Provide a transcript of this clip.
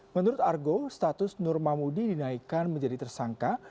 menurut argo status nur mahmudi dinaikkan menjadi tersangka